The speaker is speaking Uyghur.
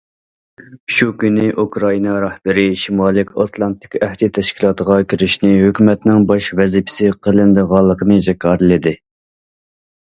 شۇ كۈنى ئۇكرائىنا رەھبىرى شىمالىي ئاتلانتىك ئەھدى تەشكىلاتىغا كىرىشنى ھۆكۈمەتنىڭ باش ۋەزىپىسى قىلىنىدىغانلىقىنى جاكارلىدى.